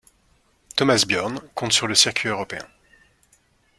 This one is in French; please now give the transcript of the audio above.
Thomas Björn compte sur le circuit européen.